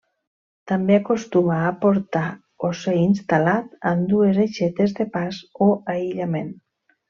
També acostuma a portar o ser instal·lat amb dues aixetes de pas o aïllament.